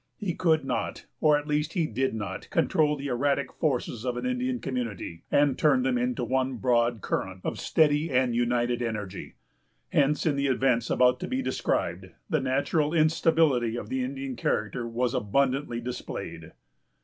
He could not, or at least he did not, control the erratic forces of an Indian community, and turn them into one broad current of steady and united energy. Hence, in the events about to be described, the natural instability of the Indian character was abundantly displayed.